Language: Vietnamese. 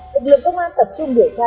lực lượng công an tập trung biểu tra